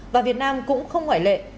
và việt nam cũng không ngoại lệ